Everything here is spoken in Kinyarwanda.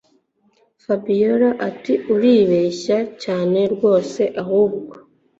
Fabiora atiuribeshya cyane rwose ahubwo